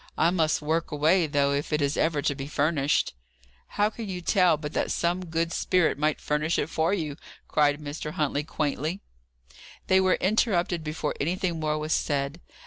I must work away, though, if it is ever to be furnished." "How can you tell but that some good spirit might furnish it for you?" cried Mr. Huntley, quaintly. They were interrupted before anything more was said.